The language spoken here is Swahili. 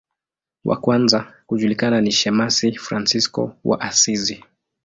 Wa kwanza kujulikana ni shemasi Fransisko wa Asizi.